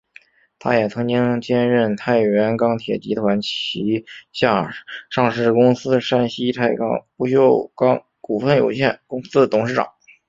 他也曾经兼任太原钢铁集团旗下上市公司山西太钢不锈钢股份有限公司董事长。